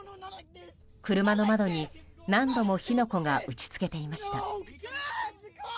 車の窓に何度も火の粉が打ち付けていました。